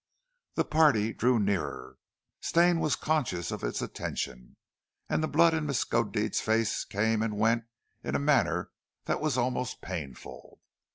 The party drew nearer. Stane was conscious of its attention, and the blood in Miskodeed's face came and went in a manner that was almost painful.